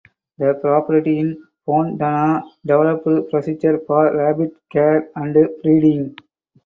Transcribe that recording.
The property in Fontana developed procedures for rabbit care and breeding.